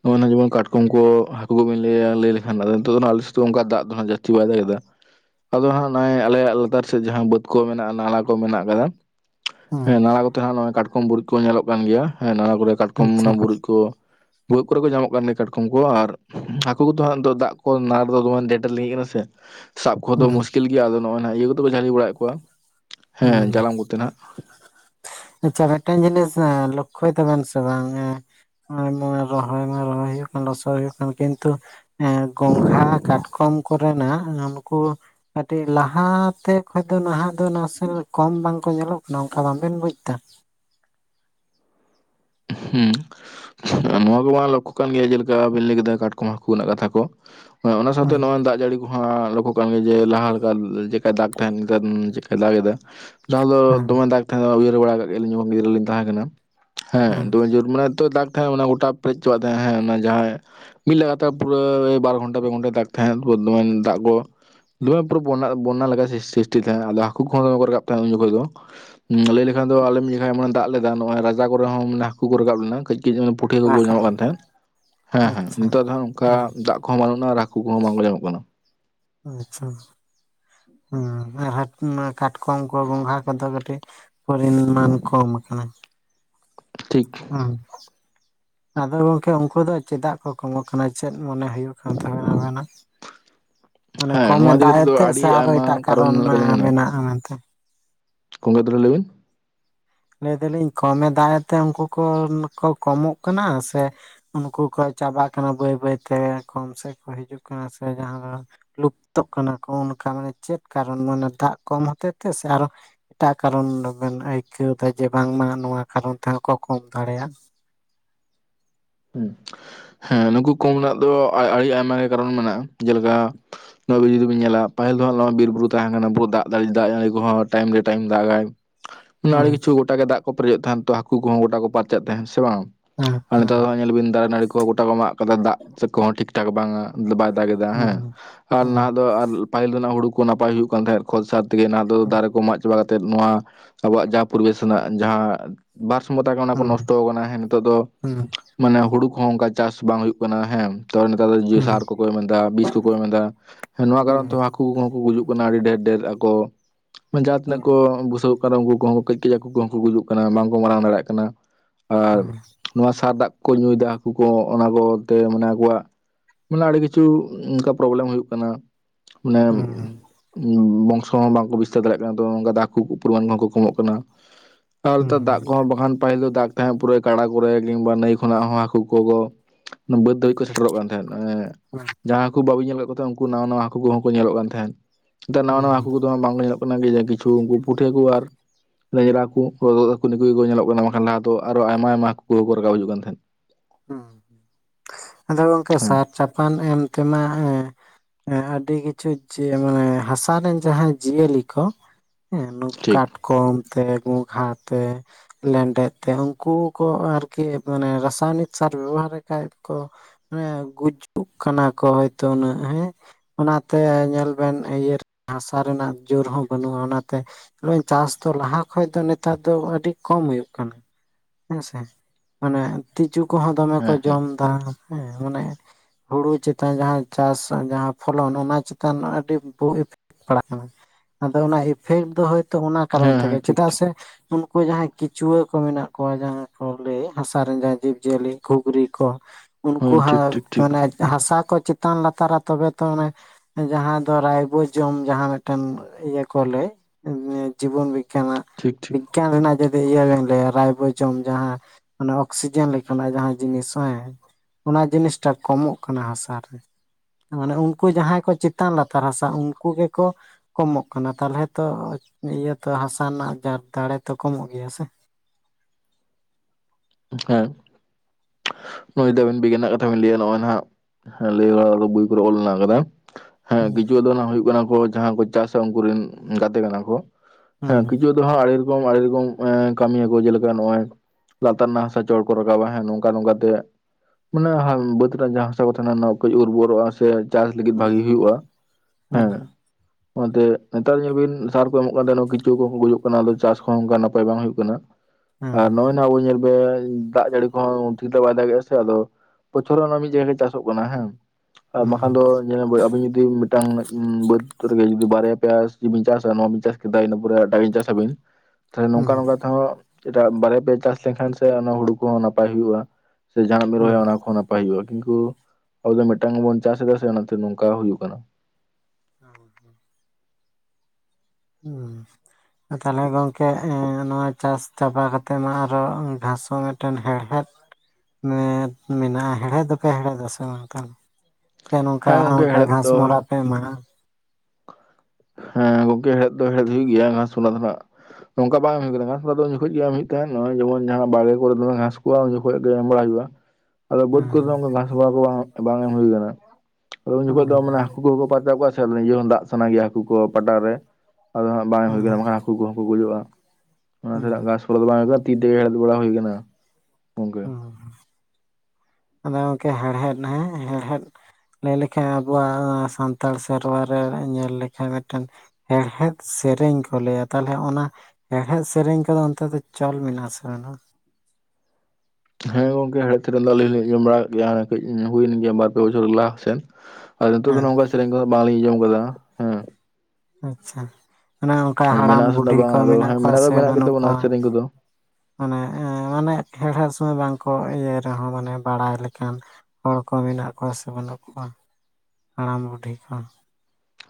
ᱱᱚᱜᱼᱚᱭ ᱡᱮᱢᱚᱱ ᱠᱟᱴᱠᱚᱢ ᱠᱚ ᱦᱟᱹᱠᱩ ᱠᱚᱵᱤᱱ ᱞᱟᱹᱭᱟ ᱞᱟᱹᱭ ᱞᱮᱠᱷᱟᱱ ᱱᱤᱛᱚᱜ ᱫᱚ ᱟᱞᱮ ᱥᱮᱱ ᱫᱚ ᱚᱱᱠᱟ ᱫᱟᱜ ᱫᱚ ᱦᱟᱸᱜ ᱡᱟᱥᱛᱤ ᱵᱟᱭ ᱫᱟᱜ ᱮᱫᱟ ᱟᱫᱚ ᱦᱟᱸᱜ ᱱᱚᱜᱼᱚᱭ ᱟᱞᱮᱭᱟᱜ ᱞᱟᱛᱟᱨ ᱥᱮᱫ ᱡᱟᱦᱟᱸ ᱵᱟᱹᱫᱽ ᱠᱚ ᱢᱮᱱᱟᱜᱼᱟ ᱱᱟᱞᱟ ᱠᱚ ᱢᱮᱱᱟᱜ ᱟᱠᱟᱫᱟ ᱦᱩᱸ ᱦᱮᱸ ᱱᱟᱞᱟ ᱠᱚᱛᱮ ᱦᱟᱸᱜ ᱱᱚᱜᱼᱚᱭ ᱠᱟᱴᱠᱚᱢ ᱵᱩᱨᱩᱡ ᱠᱚ ᱧᱮᱞᱚᱜ ᱠᱟᱱ ᱜᱮᱭᱟ ᱦᱮᱸ ᱱᱟᱞᱟ ᱠᱚᱨᱮ ᱠᱟᱴᱠᱚᱢ ᱟᱪᱪᱷᱟ ᱚᱱᱟ ᱵᱩᱨᱩᱡ ᱠᱚ ᱵᱷᱩᱜᱟᱹᱜ ᱠᱚᱨᱮ ᱠᱚ ᱧᱟᱢᱚᱜ ᱠᱟᱱ ᱜᱮᱭᱟ ᱠᱟᱴᱠᱚᱢ ᱠᱚ ᱟᱨ ᱦᱟᱹᱠᱩ ᱠᱚᱫᱚ ᱦᱟᱸᱜ ᱫᱟᱜ ᱠᱚ ᱱᱟᱲ ᱫᱚ ᱫᱚᱢᱮ ᱰᱷᱮᱨ ᱰᱷᱮᱨ ᱞᱤᱸᱜᱤᱜ ᱠᱟᱱᱟ ᱥᱮ ᱥᱟᱵ ᱠᱚᱫᱚ ᱦᱩᱸ ᱢᱩᱥᱠᱤᱞ ᱜᱮᱭᱟ ᱟᱫᱚ ᱱᱚᱜᱼᱚᱭ ᱤᱭᱟᱹ ᱠᱚᱫᱚᱠᱚ ᱡᱷᱟᱹᱞᱤ ᱵᱟᱲᱟᱭᱮᱫ ᱠᱚᱣᱟ ᱦᱮᱸ ᱦᱩᱸᱻ ᱡᱟᱞᱟᱢ ᱠᱚᱛᱮ ᱱᱟᱜ [inaudible] ᱟᱪᱪᱷᱟ ᱢᱤᱫᱴᱮᱱ ᱡᱤᱱᱤᱥ ᱞᱚᱠᱠᱷᱚᱭ ᱛᱟᱵᱮᱱ ᱥᱮ ᱵᱟᱝ ᱨᱚᱦᱚᱭ ᱨᱚᱦᱚᱭ ᱦᱩᱭᱩᱜ ᱞᱚᱥᱚᱭ ᱦᱩᱭᱩᱜ ᱠᱟᱱᱟ ᱠᱤᱱᱛᱩ ᱮ ᱜᱚᱝᱜᱷᱟ ᱠᱟᱴᱠᱚᱢ ᱠᱚᱨᱮᱱᱟᱜ ᱩᱱᱠᱩ ᱠᱟᱹᱴᱤᱡ ᱞᱟᱦᱟᱛᱮ ᱠᱷᱚᱱ ᱫᱚ ᱱᱟᱦᱟᱸᱜ ᱫᱚ ᱱᱟᱥᱮ ᱠᱚᱢ ᱵᱟᱝᱠᱚ ᱧᱮᱞᱚᱜ ᱠᱟᱱᱟ ᱚᱱᱠᱟ ᱵᱟᱝᱵᱤᱱ ᱵᱩᱡᱽ ᱮᱫᱟ ᱦᱮᱸ ᱱᱚᱣᱟ ᱠᱚ ᱢᱟ ᱞᱚᱠᱠᱷᱚ ᱠᱟᱱ ᱜᱮᱭᱟ ᱡᱮᱞᱮᱠᱟᱵᱤᱱ ᱞᱟᱹᱭ ᱠᱮᱫᱟ ᱠᱟᱴᱠᱚᱢ ᱦᱟᱹᱠᱩ ᱨᱮᱱᱟᱜ ᱠᱟᱛᱷᱟ ᱠᱚ ᱦᱮᱸ ᱚᱱᱟ ᱥᱟᱶᱛᱮ ᱱᱚᱜᱼᱚᱭ ᱫᱟᱜ ᱡᱟᱹᱲᱤ [inaudible] ᱞᱟᱦᱟ ᱞᱮᱠᱟ ᱡᱮᱞᱮᱠᱟᱭ ᱫᱟᱜᱽ ᱛᱟᱦᱮᱸᱱ ᱱᱮᱛᱟᱨ ᱡᱮᱞᱮᱠᱟᱭ ᱫᱟᱜ ᱮᱫᱟ ᱡᱟᱦᱟᱸ ᱫᱚ ᱦᱮᱸ ᱫᱚᱢᱮ ᱫᱟᱜᱽ ᱛᱟᱦᱮᱱᱟ ᱩᱭᱦᱟᱹᱨ ᱵᱟᱲᱟ ᱟᱠᱟᱫ ᱜᱮᱭᱟ ᱞᱤᱧ ᱡᱚᱠᱷᱚᱱ ᱜᱤᱫᱽᱨᱟᱹ ᱞᱤᱧ ᱛᱟᱦᱮᱸ ᱠᱟᱱᱟ ᱦᱮᱸ ᱫᱚᱢᱮ ᱡᱳᱨ ᱢᱟᱱᱮ ᱱᱤᱛᱚ ᱫᱟᱜᱽ ᱛᱟᱦᱮᱸᱜ ᱚᱱᱟ ᱜᱚᱴᱟ ᱯᱮᱨᱮᱡ ᱪᱚᱣᱟᱜ ᱛᱟᱦᱮᱸᱜ ᱦᱮᱸ ᱚᱱᱟ ᱡᱟᱦᱟᱸᱭ ᱢᱤᱫ ᱞᱟᱜᱟᱛᱟᱨ ᱯᱩᱨᱟᱹ ᱵᱟᱨ ᱜᱷᱚᱱᱴᱟ ᱯᱮ ᱜᱷᱚᱱᱴᱟ ᱫᱟᱜ ᱛᱟᱦᱮᱸ ᱫᱚᱢᱮ ᱫᱟᱜ ᱜᱚ ᱫᱚᱢᱮ ᱯᱩᱨᱟᱹ ᱵᱚᱱᱱᱟ ᱵᱚᱱᱱᱟ ᱞᱮᱠᱟ ᱥᱨᱤᱥᱴᱤ ᱛᱟᱦᱮᱸᱫ ᱟᱫᱚ ᱦᱟᱹᱠᱩ ᱠᱚᱦᱚᱸ ᱫᱚᱢᱮ ᱠᱚ ᱨᱟᱠᱟᱵ ᱛᱟᱦᱮᱸᱜ ᱩᱱ ᱡᱚᱠᱷᱚᱡ ᱫᱚ ᱞᱟᱹᱭ ᱞᱮᱠᱷᱟᱱ ᱫᱚ ᱟᱞᱮᱢ ᱞᱮᱠᱷᱟᱡ ᱢᱟᱱᱮ ᱫᱟᱜ ᱞᱮᱫᱟ ᱱᱚᱜᱼᱚᱭ ᱨᱟᱪᱟ ᱠᱚᱨᱮ ᱦᱚᱸ ᱢᱟᱱᱮ ᱠᱩ ᱠᱚ ᱨᱟᱠᱟᱵ ᱞᱮᱱᱟ ᱠᱟᱹᱡ ᱠᱟᱹᱡ ᱢᱮ ᱯᱩᱴᱷᱭᱟᱹ ᱠᱚᱠᱚ ᱵᱟᱠᱷᱟᱱ ᱧᱟᱢᱚᱜ ᱠᱟᱱ ᱛᱟᱦᱮᱸᱫ ᱦᱮᱸ ᱦᱮᱸ ᱟᱪᱪᱷᱟ ᱱᱮᱛᱟᱨ ᱫᱚ ᱦᱟᱸᱜ ᱦᱮᱸ ᱫᱟᱜ ᱠᱚᱦᱚᱸ ᱵᱟᱹᱱᱩᱜᱼᱟ ᱦᱟᱹᱠᱩ ᱠᱚᱦᱚᱸ ᱵᱟᱝ ᱠᱚ ᱧᱟᱢᱚᱜ ᱠᱟᱱᱟ ᱟᱪᱪᱷᱟ ᱦᱮᱸ ᱟᱨ ᱠᱟᱴᱠᱚᱢ ᱠᱚ ᱜᱚᱸᱜᱷᱟ ᱠᱚᱫᱚ ᱠᱟᱹᱴᱤᱡ ᱯᱚᱨᱤᱢᱟᱱ ᱠᱚᱢ ᱟᱠᱟᱱᱟ ᱴᱷᱤᱠ ᱦᱩᱸ ᱟᱫᱚ ᱜᱚᱝᱠᱮ ᱩᱱᱠᱩ ᱫᱚ ᱪᱮᱫᱟᱜ ᱠᱚ ᱠᱚᱢᱚᱜ ᱠᱟᱱᱟ ᱪᱮᱫ ᱢᱚᱱᱮ ᱦᱩᱭᱩᱜ ᱠᱟᱱ ᱛᱟᱵᱮᱱᱟ ᱟᱵᱮᱱᱟᱜ ᱢᱟᱱᱮ ᱦᱮᱸ ᱠᱚᱢᱮ ᱱᱚᱣᱟ ᱤᱫᱤ ᱫᱟᱜ ᱠᱟᱛᱮᱫ ᱫᱚ ᱮᱫᱛᱮ ᱥᱮ ᱟᱹᱰᱤ ᱟᱨᱚ ᱮᱴᱟᱜ ᱟᱭᱢᱟ ᱠᱟᱨᱚᱱ ᱢᱮᱱᱟᱜ ᱞᱮᱠᱟᱞᱤᱧ ᱢᱚᱱᱮᱭᱟ ᱢᱮᱱᱟᱜᱼᱟ ᱢᱮᱱᱛᱮ [unintelligible] ᱞᱟᱹᱭ ᱫᱟᱞᱤᱧ ᱠᱚᱢᱮ ᱫᱟᱜ ᱮᱫ ᱛᱮ ᱩᱱᱠᱩ ᱠᱚ ᱠᱚ ᱠᱚᱢᱚᱜ ᱠᱟᱱᱟ ᱥᱮ ᱩᱱᱠᱩ ᱠᱚ ᱪᱟᱵᱟᱜ ᱠᱟᱱᱟ ᱵᱟᱹᱭ ᱵᱟᱹᱭᱛᱮ ᱠᱚᱢ ᱥᱮᱫ ᱠᱚ ᱦᱤᱡᱩᱜ ᱠᱟᱱᱟ ᱥᱮ ᱡᱟᱦᱟᱸ ᱫᱚ ᱞᱩᱯᱛᱚᱜ ᱠᱟᱱᱟ ᱠᱚ ᱚᱱᱠᱟ ᱢᱟᱱᱮ ᱪᱮᱫ ᱠᱟᱨᱚᱱ ᱢᱟᱱᱮ ᱫᱟᱜ ᱠᱚᱢ ᱦᱚᱛᱮᱡ ᱛᱮ ᱥᱮ ᱟᱨᱚ ᱮᱴᱟᱜ ᱠᱟᱨᱚᱱ ᱛᱮᱵᱮᱱ ᱟᱹᱭᱠᱟᱹᱣ ᱮᱫᱟ ᱡᱮ ᱵᱟᱝᱢᱟ ᱱᱚᱣᱟ ᱠᱟᱨᱚᱱ ᱛᱮᱦᱚᱸ ᱠᱚ ᱠᱚᱢ ᱫᱟᱲᱮᱭᱟᱜ ᱦᱮᱸ ᱦᱮᱸ ᱱᱩᱠᱩ ᱠᱚᱢ ᱨᱮᱱᱟᱜ ᱫᱚ ᱟᱹᱰᱤ ᱟᱭᱢᱟ ᱜᱮ ᱠᱟᱨᱚᱱ ᱢᱮᱱᱟᱜᱼᱟ ᱡᱮᱞᱮᱠᱟ ᱱᱚᱣᱟ ᱡᱩᱫᱤ ᱵᱚᱱ ᱧᱮᱞᱟ ᱯᱟᱹᱦᱤᱞ ᱫᱚ ᱦᱟᱸᱜ ᱱᱚᱣᱟ ᱵᱤᱨ ᱵᱩᱨᱩ ᱛᱟᱦᱮᱸ ᱠᱟᱱᱟ ᱫᱟᱜ ᱫᱟᱲᱮ ᱫᱟᱜ ᱡᱟᱲᱤ ᱠᱚᱦᱚᱸ ᱴᱟᱭᱤᱢ ᱠᱮ ᱴᱟᱭᱤᱢ ᱫᱟᱜᱟᱭ ᱟᱹᱰᱤ ᱦᱩᱸ ᱠᱤᱪᱷᱩ ᱜᱚᱴᱟᱜ ᱜᱮ ᱫᱟᱜ ᱠᱚ ᱯᱮᱨᱮᱡᱚᱜ ᱛᱟᱦᱮᱸᱱ ᱛᱚ ᱦᱟᱹᱠᱩ ᱠᱚᱦᱚᱸ ᱜᱚᱴᱟ ᱠᱚ ᱯᱟᱨᱪᱟᱜ ᱛᱟᱦᱮᱸᱱ ᱥᱮ ᱵᱟᱝ ᱦᱩᱸ ᱟᱨ ᱦᱩᱸ ᱱᱮᱛᱟᱨ ᱦᱚᱸ ᱧᱮᱞ ᱵᱤᱱ ᱫᱟᱨᱮ ᱱᱟᱹᱲᱤ ᱠᱚᱦᱚᱸ ᱜᱚᱴᱟ ᱠᱚ ᱢᱟᱜ ᱠᱟᱫᱟ ᱫᱟᱜ ᱛᱮ ᱠᱚᱦᱚᱸ ᱴᱷᱤᱠᱼᱴᱷᱟᱠ ᱵᱟᱝᱟ ᱵᱟᱭ ᱫᱟᱜ ᱮᱫᱟ ᱦᱮᱸ ᱦᱩᱸ ᱟᱨ ᱦᱩᱸ ᱱᱟᱦᱟᱸᱜ ᱫᱚ ᱟᱨ ᱯᱟᱹᱦᱤᱞ ᱫᱚ ᱦᱩᱲᱩ ᱠᱚ ᱱᱟᱯᱟᱭ ᱦᱩᱭᱩᱜ ᱠᱟᱱ ᱛᱟᱦᱮᱸ ᱠᱷᱚᱫᱽ ᱥᱟᱨ ᱛᱮᱜᱮ ᱱᱚᱣᱟ ᱫᱚ ᱫᱟᱨᱮ ᱠᱚ ᱢᱟᱜ ᱪᱟᱵᱟ ᱠᱟᱛᱮᱜ ᱱᱚᱣᱟ ᱟᱵᱚᱣᱟᱜ ᱡᱟᱦᱟᱸ ᱯᱚᱨᱤᱵᱮᱥ ᱨᱮᱱᱟᱜ ᱡᱟᱦᱟᱸ ᱵᱟᱨ ᱥᱚᱢᱚᱛᱟ ᱜᱮ ᱚᱱᱟ ᱠᱚ ᱦᱩᱸ ᱱᱚᱥᱴᱚ ᱠᱟᱱᱟ ᱦᱮᱸ ᱱᱤᱛᱚᱜ ᱫᱚ ᱦᱩᱸ ᱢᱟᱱᱮ ᱦᱩᱲᱩ ᱦᱚ ᱚᱱᱠᱟ ᱪᱟᱥ ᱵᱟᱝ ᱦᱩᱭᱩᱜ ᱠᱟᱱᱟ ᱦᱮᱸ ᱛᱚ ᱱᱮᱛᱟᱨ ᱫᱚ ᱦᱩᱸ ᱥᱟᱨ ᱠᱚᱠᱚ ᱮᱢᱮᱫᱟ ᱵᱤᱥ ᱠᱚᱠᱚ ᱮᱢᱮᱫᱟ ᱦᱮᱸ ᱱᱚᱣᱟ ᱠᱟᱨᱚᱱ ᱦᱩᱸ ᱛᱮᱦᱚᱸ ᱦᱟᱹᱠᱩ ᱠᱚᱦᱚᱸ ᱠᱚ ᱜᱩᱡᱩᱜ ᱠᱟᱱᱟ ᱟᱹᱰᱤ ᱰᱷᱮᱨ ᱰᱷᱮᱨ ᱟᱠᱚ ᱢᱟᱱᱮ ᱡᱟᱦᱟᱸ ᱛᱤᱱᱟᱹᱜ ᱠᱚ ᱦᱩᱸ ᱵᱩᱥᱷᱟᱜᱚᱜ ᱠᱟᱱᱟ ᱩᱱᱠᱩ ᱠᱚᱦᱚᱸ ᱠᱟᱹᱡ ᱠᱟᱹᱡ ᱟᱠᱚ ᱠᱚᱦᱚᱸ ᱠᱚ ᱜᱩᱡᱩᱜ ᱠᱟᱱᱟ ᱵᱟᱝ ᱠᱚ ᱢᱟᱲᱟᱝ ᱫᱟᱲᱮᱭᱟᱜ ᱠᱟᱱᱟ ᱟᱨ ᱦᱮᱸ ᱱᱚᱣᱟ ᱥᱟᱨ ᱫᱟᱜ ᱠᱚ ᱧᱩᱭᱮᱫᱟ ᱩᱱᱠᱩ ᱠᱚ ᱚᱱᱟ ᱠᱚᱛᱮ ᱢᱟᱱᱮ ᱟᱠᱚᱣᱟᱜ ᱢᱟᱱᱮ ᱟᱹᱰᱤ ᱠᱤᱪᱷᱩ ᱚᱱᱠᱟ ᱯᱨᱚᱵᱞᱮᱢ ᱦᱩᱭᱩᱜ ᱠᱟᱱᱟ ᱢᱟᱱᱮ ᱦᱩᱸ ᱵᱚᱝᱥᱚ ᱦᱚᱸ ᱵᱟᱝᱠᱚ ᱵᱤᱥᱛᱟᱨ ᱫᱟᱲᱮᱭᱟᱜ ᱠᱟᱱᱟ ᱛᱚ ᱱᱚᱝᱠᱟ ᱫᱟᱜ ᱯᱚᱨᱤᱢᱟᱱ ᱠᱚ ᱠᱚᱢᱚᱜ ᱠᱟᱱᱟ ᱛᱟᱦᱚᱞᱮ ᱦᱩᱸ ᱫᱟᱜ ᱠᱚᱦᱚᱸ ᱵᱟᱝᱠᱷᱟᱱ ᱯᱟᱹᱦᱤᱞ ᱫᱚ ᱫᱟᱜ ᱛᱟᱦᱮᱸᱫ ᱯᱩᱨᱟᱹ ᱠᱟᱲᱟ ᱠᱚᱨᱮ ᱠᱤᱝᱵᱟ ᱱᱟᱹᱭ ᱠᱷᱚᱱᱟᱜ ᱦᱚᱸ ᱦᱟᱹᱠᱩ ᱵᱟᱹᱫᱽ ᱫᱷᱟᱹᱵᱤᱡ ᱠᱚ ᱥᱮᱴᱮᱨᱚᱜ ᱠᱟᱱ ᱛᱟᱦᱮᱸᱫ ᱦᱩᱸ ᱦᱩᱸ ᱡᱟᱦᱟᱸᱭ ᱠᱚ ᱵᱟᱵᱩᱱ ᱧᱮᱞ ᱟᱠᱟᱫ ᱠᱚ ᱛᱟᱦᱮᱸᱫ ᱩᱱᱠᱩ ᱱᱟᱣᱟ ᱱᱟᱣᱟ ᱦᱟᱹᱠᱩ ᱠᱚ ᱦᱚᱸᱠᱚ ᱧᱮᱞᱚᱜ ᱠᱟᱱ ᱛᱟᱦᱮᱸᱜ, ᱱᱮᱛᱟᱨ ᱱᱟᱣᱟ ᱦᱩᱸ ᱦᱟᱹᱠᱩ ᱠᱚᱫᱚ ᱵᱟᱝ ᱧᱮᱞᱚᱜ ᱠᱟᱱᱟ ᱾ ᱯᱚᱱᱟᱜᱮ ᱡᱟᱠᱤᱪᱷᱩ ᱩᱱᱠᱩ ᱯᱩᱴᱷᱤ ᱦᱟᱹᱠᱩ ᱟᱨ ᱞᱮᱸᱡᱨᱟ ᱦᱟᱠᱩ ᱱᱩᱠᱩ ᱜᱮᱠᱚ ᱧᱮᱞᱚᱜ ᱠᱟᱱᱟ ᱵᱟᱝᱠᱷᱟᱱ ᱞᱟᱦᱟ ᱫᱚ, ᱟᱨᱚ ᱟᱭᱢᱟ ᱟᱭᱢᱟ ᱦᱟᱹᱠᱩ ᱠᱚᱠᱚ ᱨᱟᱠᱟᱵ ᱦᱤᱡᱩᱜ ᱠᱟᱱ ᱛᱟᱦᱮᱸᱱ ᱾ ᱦᱩᱸ ᱟᱫᱚ ᱜᱚᱝᱠᱮ ᱦᱮᱸ ᱥᱟᱨ ᱪᱟᱯᱟᱱ ᱮᱢ ᱛᱮᱢᱟ ᱦᱮ ᱟᱹᱰᱤ ᱠᱤᱪᱷᱩ ᱪᱮ ᱢᱟᱱᱮ ᱦᱟᱥᱟᱨᱮᱱ ᱡᱟᱦᱟᱸᱭ ᱡᱤᱭᱟᱹᱞᱤ ᱠᱚ ᱦᱮᱸ ᱱᱩᱠᱩ ᱴᱷᱤᱠ ᱠᱟᱴᱠᱚᱢ ᱛᱮ ᱜᱩᱜᱷᱟ ᱛᱮ ᱞᱮᱱᱰᱮᱫ ᱛᱮ ᱩᱱᱠᱩ ᱠᱚ ᱟᱨᱠᱤ ᱢᱟᱱᱮ ᱨᱟᱥᱟᱭᱱᱤᱠ ᱥᱟᱨ ᱵᱮᱵᱚᱦᱟᱨ ᱞᱮᱠᱷᱟᱡ ᱠᱚ ᱜᱩᱡᱩᱜ ᱠᱟᱱᱟ ᱠᱚ ᱦᱚᱭᱛᱳ ᱩᱱᱟᱹᱜ ᱦᱮᱸ ᱚᱱᱟᱛᱮ ᱧᱮᱞ ᱵᱮᱱ ᱤᱭᱟᱹ ᱦᱟᱥᱟ ᱨᱮᱱᱟᱜ ᱡᱳᱨ ᱦᱚᱸ ᱵᱟᱹᱱᱩᱜ-ᱟ ᱚᱱᱟᱛᱮ ᱾ ᱪᱟᱥ ᱫᱚ ᱞᱟᱦᱟ ᱠᱷᱚᱡ ᱫᱚ ᱱᱮᱛᱟᱨ ᱫᱚ ᱟᱹᱰᱤ ᱠᱚᱢ ᱦᱩᱭᱩᱜ ᱠᱟᱱᱟ ᱾ ᱦᱮᱸᱥᱮ ᱢᱟᱱᱮ ᱛᱤᱡᱩ ᱠᱚᱦᱚᱸ ᱫᱚᱢᱮ ᱠᱚ ᱦᱮᱸ ᱦᱮᱸ ᱡᱚᱢᱫᱟ ᱦᱮᱸ ᱢᱟᱱᱮ ᱦᱩᱲᱩ ᱪᱮᱛᱟᱱ ᱡᱟᱦᱟᱸ ᱪᱟᱥ ᱡᱟᱦᱟᱸ ᱯᱷᱚᱞᱚᱱ ᱚᱱᱟ ᱪᱮᱛᱟᱱ ᱟᱹᱰᱤ ᱵᱚᱦᱩᱛ ᱯᱟᱲᱟᱜ ᱠᱟᱱᱟ, ᱟᱫᱚ ᱚᱱᱟ ᱤᱯᱷᱮᱠᱴ ᱫᱚ ᱦᱚᱭᱛᱳ ᱚᱱᱟ ᱠᱟᱨᱚᱱ ᱦᱮᱸ ᱦᱮᱸ ᱛᱮᱜᱮ ᱴᱷᱤᱠ ᱪᱮᱫᱟᱜ ᱴᱷᱤᱠ ᱥᱮ, ᱩᱱᱠᱩ ᱡᱟᱦᱟᱸᱭ ᱠᱤᱪᱩᱣᱟᱹ ᱠᱚ ᱢᱮᱱᱟᱜ ᱠᱚᱣᱟ ᱡᱟᱦᱟᱸ ᱠᱚ ᱞᱟᱹᱭ ᱦᱟᱥᱟ ᱨᱮᱱ ᱡᱟᱦᱟᱸᱭ ᱡᱤᱵᱽ᱾ ᱡᱤᱭᱟᱹᱞᱤ ᱠᱷᱩᱜᱽᱨᱤ ᱠᱚ ᱩᱱᱠᱩ ᱦᱮᱸ ᱴᱷᱤᱠ ᱦᱚᱸ ᱴᱷᱤᱠ ᱴᱷᱤᱠ ᱢᱟᱱᱮ ᱦᱟᱥᱟ ᱠᱚ ᱪᱮᱛᱟᱱ ᱞᱟᱛᱟᱨᱟ ᱛᱚᱵᱮ ᱛᱚ ᱚᱱᱮ ᱡᱟᱦᱟᱸ ᱫᱚ ᱨᱟᱭᱵᱽᱡᱚᱢ ᱡᱟᱦᱟᱸ ᱢᱤᱫᱴᱮᱱ ᱤᱭᱟᱹ ᱠᱚ ᱞᱟᱹᱭ ᱡᱤᱵᱚᱱ ᱵᱤᱜᱽᱜᱟᱱ ᱟᱜ ᱴᱷᱤᱠᱻᱴᱷᱤᱠ ᱾ ᱮᱠᱮᱱ ᱡᱩᱫᱤ ᱤᱭᱟᱹ ᱵᱮᱱ ᱞᱟᱹᱭᱟ ᱨᱟᱭᱵᱚ ᱡᱚᱢ ᱡᱟᱦᱟᱸ ᱚᱱᱟ ᱚᱠᱥᱤᱡᱮᱱ ᱚᱱᱟ ᱡᱟᱦᱟᱸ ᱡᱤᱱᱤᱥ ᱦᱮᱸ ᱚᱱᱟ ᱡᱤᱱᱤᱥᱴᱟ ᱠᱚᱢᱚᱜ ᱠᱟᱱᱟ ᱦᱟᱥᱟ ᱨᱮ ᱾ ᱢᱟᱱᱮ ᱩᱱᱠᱩ ᱡᱟᱦᱟᱸᱭ ᱠᱚ ᱪᱮᱛᱟᱱ ᱞᱟᱛᱟᱨᱟ ᱦᱟᱥᱟ ᱩᱱᱠᱩ ᱜᱮᱠᱚ ᱠᱚᱢᱚᱜ ᱠᱟᱱᱟ ᱛᱟᱦᱚᱞᱮ ᱛᱚ ᱤᱭᱟᱹ ᱛᱚ ᱦᱟᱥᱟ ᱨᱮᱱᱟᱜ ᱫᱟᱲᱮ ᱛᱚ ᱠᱚᱢᱚᱜ ᱜᱮᱭᱟ ᱥᱮ ᱾ ᱦᱮᱸ ᱱᱚᱜ-ᱚᱭ ᱟᱵᱤᱱ ᱵᱤᱜᱽᱜᱟᱱᱟᱜ ᱠᱟᱛᱷᱟ ᱵᱮᱱ ᱞᱟᱹᱭᱟ ᱱᱚᱜ-ᱚᱭ ᱱᱟᱦᱟᱜ ᱦᱮᱸ ᱞᱟᱹᱭ [unintelligible] ᱵᱳᱭ ᱠᱚᱨᱮ ᱚᱞ ᱢᱮᱱᱟᱜ ᱠᱟᱫᱟ ᱾ ᱦᱮᱸ ᱦᱩᱸ ᱠᱤᱪᱷᱩᱣᱟᱹ ᱫᱚ ᱦᱩᱭᱩᱜ ᱠᱟᱱᱟ ᱠᱚ, ᱡᱟᱦᱟᱸ ᱠᱚ ᱪᱟᱥᱟ ᱩᱱᱠᱩ ᱨᱮᱱ ᱜᱟᱛᱮ ᱠᱟᱱᱟ ᱠᱚ, ᱦᱮᱸ ᱦᱩᱸ ᱠᱤᱪᱷᱩᱣᱟᱹ ᱫᱚ ᱦᱟᱜ ᱟᱹᱰᱤ ᱨᱚᱠᱚᱢ ᱟᱹᱰᱤ ᱨᱚᱠᱚᱢ ᱠᱟᱹᱢᱤᱭᱟᱠᱚ ᱡᱮᱞᱮᱠᱟ ᱱᱚᱜ-ᱚᱭ ᱞᱟᱛᱟᱨ ᱨᱮᱱᱟᱜ ᱦᱟᱥᱟ ᱪᱚᱴ ᱠᱚ ᱨᱟᱠᱟᱵᱟ ᱦᱮᱸ ᱱᱚᱝᱠᱟ ᱱᱚᱝᱠᱟ ᱛᱮ ᱢᱟᱱᱮ ᱵᱟᱹᱫᱽ ᱨᱮᱱᱟᱜ ᱡᱟᱦᱟᱸ ᱦᱟᱥᱟ ᱠᱚ ᱛᱟᱦᱮᱸᱱᱟ ᱚᱱᱟ ᱠᱟᱹᱡ ᱩᱨᱵᱚᱨᱚᱜ-ᱟ ᱥᱮ᱾ ᱪᱟᱥ ᱞᱟᱹᱜᱤᱫ ᱵᱷᱟᱜᱤ ᱦᱩᱭᱩᱜ-ᱟ᱾ ᱦᱩᱸ ᱦᱮᱸ ᱦᱩᱸ ᱚᱱᱟᱛᱮ ᱱᱮᱛᱟᱨ ᱧᱮᱞ ᱵᱤᱱ ᱥᱟᱨ ᱠᱚ ᱮᱢᱚᱜ ᱠᱟᱱ ᱛᱟᱦᱮᱸᱱᱟ, ᱠᱤᱪᱷᱩᱣᱟᱹ ᱠᱚ ᱜᱩᱡᱩᱜ ᱠᱟᱱᱟ ᱟᱫᱚ ᱪᱟᱥ ᱠᱚᱸ ᱚᱱᱠᱟ ᱱᱟᱯᱟᱭ ᱵᱟᱝ ᱦᱩᱭᱩᱜ ᱠᱟᱱᱟ ᱾ ᱟᱨ ᱱᱚᱜ-ᱚᱭ ᱱᱟ ᱳᱭ ᱫᱟᱜ ᱡᱟᱹᱲᱤ ᱠᱚᱦᱚᱸ ᱴᱷᱤᱠ ᱴᱷᱟᱠ ᱵᱟᱭ ᱫᱟᱜ ᱮᱜ-ᱟᱭ ᱥᱮ ᱟᱫᱚ ᱵᱚᱪᱷᱚᱨ ᱨᱮ ᱚᱱᱟ ᱢᱤᱫ ᱡᱟᱭᱜᱟ ᱜᱮ ᱪᱟᱥᱚᱜ ᱠᱟᱱᱟ ᱦᱮᱸ ᱟᱨ ᱵᱟᱠᱷᱟᱱ ᱫᱚ ᱧᱮᱞ ᱟᱵᱤᱱ ᱡᱩᱫᱤ ᱢᱤᱫᱴᱟᱝ ᱵᱟᱹᱫᱽ ᱨᱮᱜᱮ ᱡᱩᱫᱤ ᱵᱟᱨᱭᱟ ᱯᱮᱭᱟ ᱵᱤᱱ ᱪᱟᱥᱟ, ᱱᱚᱣᱟ ᱵᱤᱱ ᱪᱟᱥ ᱠᱮᱫᱟ ᱤᱱᱟᱹ ᱯᱚᱨᱮ ᱮᱴᱟᱜᱟᱵᱤᱱ ᱪᱟᱥᱟᱵᱤᱱ ᱛᱚᱵᱮ ᱦᱩᱸ ᱱᱚᱝᱠᱟ ᱦᱩᱸ ᱱᱚᱝᱠᱟ ᱛᱮᱦᱚᱸ ᱮᱴᱟᱜ ᱵᱟᱨᱭᱟ ᱯᱮᱭᱟ ᱪᱟᱥ ᱞᱮᱱᱠᱷᱟᱱ ᱥᱮ, ᱦᱩᱲᱩ ᱠᱚᱦᱚᱸ ᱱᱟᱯᱟᱭ ᱦᱩᱭᱩᱜ-ᱟ ᱾ ᱥᱮ ᱡᱟᱦᱟᱱᱟᱜ ᱵᱤᱱ ᱦᱩᱸ ᱨᱚᱦᱚᱭᱟ ᱚᱱᱟ ᱠᱷᱚᱱ ᱱᱟᱯᱟᱭ ᱦᱩᱭᱩᱜ-ᱟ, ᱠᱤᱱᱛᱩ ᱟᱵᱚ ᱫᱚ ᱢᱤᱫᱴᱟᱝ ᱜᱮᱵᱚᱱ ᱪᱟᱥ ᱮᱫᱟ ᱥᱮ ᱚᱱᱟᱛᱮ ᱱᱚᱝᱠᱟ ᱦᱩᱭᱩᱜ ᱠᱟᱱᱟ ᱾ [inaudible] ᱦᱩᱸ ᱛᱟᱦᱚᱞᱮ ᱜᱚᱝᱠᱮ ᱱᱚᱣᱟ ᱪᱟᱥ ᱪᱟᱵᱟ ᱠᱟᱛᱮᱜ ᱢᱟ ᱟᱨᱚ ᱜᱷᱟᱥ ᱢᱤᱫᱴᱮᱱ ᱦᱮᱲᱦᱮᱫ? ᱢᱮᱫ ᱢᱮᱱᱟᱜ-ᱟ ᱦᱮᱲᱦᱮᱫ ᱫᱚᱯᱮ ᱦᱮᱲᱦᱮᱫ ᱫᱟᱥᱮ ᱵᱟᱝ ᱛᱟᱦᱚᱞᱮ? ᱥᱮ ᱱᱚᱝᱠᱟ ᱦᱮᱸ ᱜᱚᱝᱠᱮ ᱚᱝᱠᱟ ᱦᱮᱲᱦᱮᱫ ᱫᱚ ᱜᱷᱟᱥᱢᱚᱨᱟ ᱯᱮ ᱮᱢᱟᱜ-ᱟ? ᱦᱮᱸ ᱜᱚᱝᱠᱮ ᱦᱮᱲᱦᱮᱫ ᱫᱚ ᱦᱮᱲᱦᱮᱫ ᱦᱩᱭᱩᱜ ᱜᱮᱭᱟ, ᱜᱷᱟᱥ ᱚᱱᱟ ᱫᱚᱱᱟᱜ ᱾ ᱱᱚᱝᱠᱟ ᱵᱟᱝ ᱮᱢᱳᱭ ᱮᱢ [unintelligible] ᱠᱟᱱᱟ ᱜᱷᱟᱥᱲᱟ ᱫᱚ ᱜᱮ ᱮᱢ ᱦᱩᱭᱩᱜ ᱛᱟᱦᱮᱸᱜ ᱡᱚᱠᱷᱚᱱ ᱱᱚᱜ-ᱚᱭ ᱡᱮᱢᱚᱱ ᱡᱟᱦᱟᱸᱱᱟᱜ ᱵᱟᱲᱜᱮ ᱠᱚᱨᱮ ᱫᱚᱢᱮ ᱜᱷᱟᱥ ᱠᱚᱜ-ᱟ, ᱛᱚᱠᱷᱚᱱ ᱜᱮ ᱮᱢ ᱵᱟᱲᱟ ᱦᱩᱭᱩᱜ-ᱟ᱾ [inaudible] ᱟᱫᱚ ᱵᱟᱹᱫᱽ ᱠᱚᱨᱮ ᱦᱮᱸ ᱱᱚᱝᱠᱟ ᱜᱷᱟᱥ ᱢᱚᱨᱟᱠᱚ ᱵᱟᱝ ᱮᱢ ᱦᱩᱭ ᱠᱟᱱᱟ, ᱟᱫᱚ ᱩᱱ ᱡᱚᱠᱷᱚᱡ ᱦᱩᱸ ᱫᱚ ᱢᱟᱱᱮ ᱦᱟᱹᱠᱩ ᱠᱚᱠᱚ ᱯᱟᱨᱪᱟᱣ ᱠᱚᱜᱼᱟ ᱥᱮ᱾ ᱤᱭᱟᱹ ᱦᱚᱸ ᱫᱟᱜ ᱥᱟᱱᱟᱜᱮᱭᱟ ᱦᱟᱹᱠᱩ ᱠᱚ ᱯᱟᱴᱟ ᱨᱮ, ᱟᱫᱚ ᱦᱟᱸᱜ ᱵᱟᱝ ᱮᱢ ᱦᱩᱭ ᱠᱟᱱᱟ ᱵᱟᱝᱠᱷᱟᱱ ᱦᱟᱹᱠᱩ ᱠᱚᱦᱚᱸᱠᱚ ᱜᱩᱡᱩᱜ-ᱟ, ᱚᱱᱟ ᱛᱮᱱᱟᱜ ᱦᱩᱸ ᱜᱷᱟᱥ ᱢᱚᱨᱟ ᱫᱚ ᱵᱟᱝ ᱮᱢ ᱦᱩᱭ ᱠᱟᱱᱟ, ᱛᱤ ᱛᱮᱜᱮ ᱦᱮᱲᱦᱮᱫ ᱵᱟᱲᱟ ᱦᱩᱭ ᱠᱟᱱᱟ ᱾ ᱦᱩᱸ [inaudible] ᱟᱫᱚ ᱜᱚᱝᱠᱮ ᱦᱮᱲᱦᱮᱫ ᱦᱮᱸ ᱦᱮᱲᱦᱮᱫ ᱞᱟᱹᱭ ᱞᱮᱠᱷᱟᱱ ᱟᱵᱚᱣᱟᱜ ᱥᱟᱱᱛᱟᱲ ᱥᱮᱨᱣᱟᱨᱮ ᱧᱮᱞ ᱞᱮᱠᱷᱟᱱ ᱢᱤᱫᱴᱟᱝ ᱦᱮᱲᱦᱮᱫ ᱥᱮᱨᱮᱧ ᱠᱚ ᱞᱟᱹᱭᱟ ᱛᱟᱦᱚᱞᱮ ᱚᱱᱟ ᱦᱮᱲᱦᱮᱫ ᱥᱮᱨᱮᱧ ᱠᱚᱫᱚ ᱚᱱᱛᱮ ᱫᱚ ᱪᱚᱞ ᱢᱮᱱᱟᱜ ᱟᱥᱮ ᱵᱟᱱᱩᱜᱼᱟ ᱦᱮᱸ ᱜᱚᱝᱠᱮ ᱦᱮᱡᱽ ᱛᱚᱨᱟ ᱫᱚ ᱟᱹᱞᱤᱧ ᱞᱤᱧ ᱡᱚᱢ ᱵᱟᱲᱟ ᱜᱮᱭᱟ ᱠᱟᱹᱡ ᱦᱩᱭᱮᱱ ᱜᱮᱭᱟ ᱵᱟᱨ ᱯᱮ ᱵᱚᱪᱷᱚᱨ ᱞᱟᱦᱟ ᱥᱮᱫ ᱟᱫᱚ ᱱᱤᱛᱚᱜ ᱫᱚ ᱦᱮᱸ ᱱᱚᱝᱠᱟ ᱥᱮᱨᱮᱧ ᱠᱚᱸᱦᱚ ᱵᱟᱝ ᱞᱤᱧ ᱟᱸᱡᱚᱢ ᱟᱠᱟᱫᱟ ᱦᱮᱸ ᱟᱪᱪᱷᱟ ᱚᱱᱮ ᱚᱱᱠᱟ ᱦᱮᱸ ᱢᱮᱱᱟᱜ ᱟᱥᱮ ᱦᱟᱲᱟᱢᱼᱵᱩᱰᱷᱤ ᱵᱟᱝ ᱠᱚ ᱟᱫᱚ ᱢᱮᱱᱟᱜ ᱦᱮᱸ ᱠᱚᱣᱟ ᱫᱚ ᱥᱮ ᱢᱮᱱᱟᱜ ᱵᱟᱹᱱᱩᱜ ᱜᱮᱛᱟᱵᱚᱱᱟ ᱠᱚᱣᱟ ᱥᱮᱨᱮᱧ ᱠᱚᱫᱚ ᱢᱟᱱᱮ ᱮᱸ ᱢᱟᱱᱮ ᱦᱮᱲᱦᱮᱫᱽ ᱥᱚᱢᱚᱭ ᱵᱟᱝᱠᱚ ᱤᱭᱟᱹ ᱨᱮᱦᱚᱸ ᱢᱟᱱᱮ ᱵᱟᱲᱟᱭ ᱞᱮᱠᱷᱟᱱ ᱦᱚᱲ ᱠᱚ ᱢᱮᱱᱟᱜ ᱠᱚᱣᱟ ᱥᱮ ᱵᱟᱹᱱᱩᱜ ᱠᱚᱣᱟ ᱦᱟᱲᱟᱢ ᱵᱩᱰᱷᱤ ᱠᱚᱸ